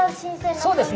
そうですね。